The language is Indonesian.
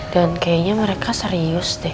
dan kayaknya mereka serius deh